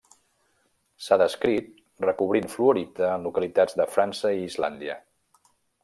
S'ha descrit recobrint fluorita en localitats de França i Islàndia.